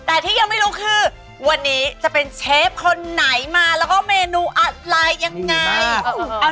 แต่ที่ยังไม่รู้คือวันนี้จะเป็นเชฟคนไหนมาแล้วก็เมนูอะไรยังไง